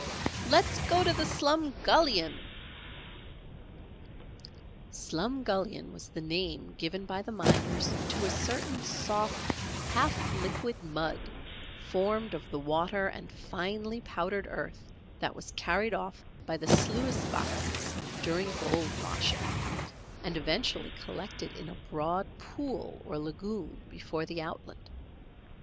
"Let's go to the Slumgullion." "Slumgullion" was the name given by the miners to a certain soft, half liquid mud, formed of the water and finely powdered earth that was carried off by the sluice boxes during gold washing, and eventually collected in a broad pool or lagoon before the outlet.